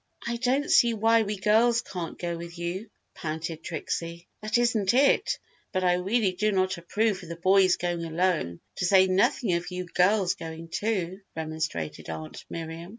"I don't see why we girls can't go with you," pouted Trixie. "That isn't it, but I really do not approve of the boys going alone, to say nothing of you girls going too!" remonstrated Aunt Miriam.